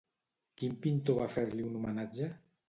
Quin pintor va fer-li un homenatge?